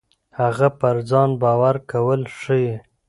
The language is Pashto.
هغه پر ځان باور کول ښيي.